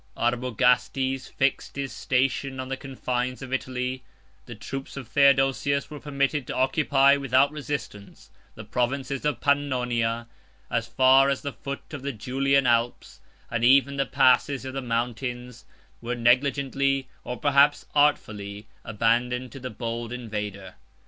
116 Arbogastes fixed his station on the confines of Italy; the troops of Theodosius were permitted to occupy, without resistance, the provinces of Pannonia, as far as the foot of the Julian Alps; and even the passes of the mountains were negligently, or perhaps artfully, abandoned to the bold invader.